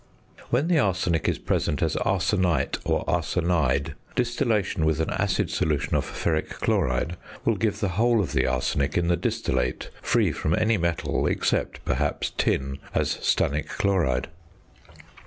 When the arsenic is present as arsenite or arsenide, distillation with an acid solution of ferric chloride will give the whole of the arsenic in the distillate free from any metal except, perhaps, tin as stannic chloride.